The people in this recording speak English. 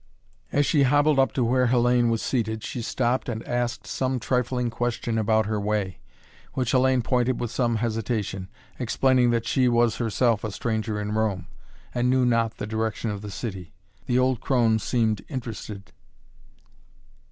As she hobbled up to where Hellayne was seated she stopped and asked some trifling question about her way, which Hellayne pointed with some hesitation, explaining that she was herself a stranger in Rome, and knew not the direction of the city. The old crone seemed interested.